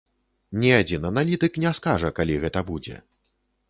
Ні адзін аналітык не скажа, калі гэта будзе.